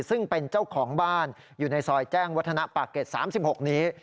ซึ่งเป็นเจ้าของบ้านอยู่ในซอยแจ้งวัฒนะปากเกร็ด๓๖นี้